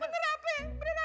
ya allah kenapa